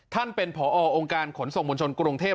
ท่านเป็นผอองค์การขนส่งมวลชนกรุงเทพ